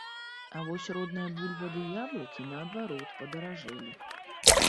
А вось родная бульба ды яблыкі, наадварот, падаражэлі!